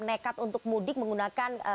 nekat untuk mudik menggunakan